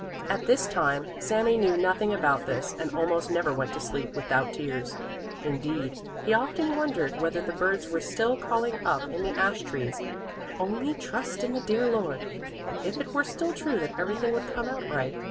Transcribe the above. At this time Sami knew nothing about this and almost never went to sleep without tears; indeed, he often wondered whether the birds were still calling up in the ash trees: "Only trust in the dear Lord!" and if it were still true that everything would come out right.